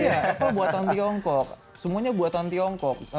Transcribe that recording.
iya apple buatan tiongkok semuanya buatan tiongkok